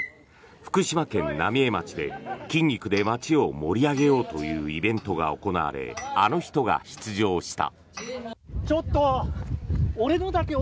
福島県浪江町で筋肉で町を盛り上げようというイベントが行われあの人が出場した。